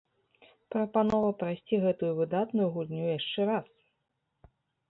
Прапанова прайсці гэтую выдатную гульню яшчэ раз!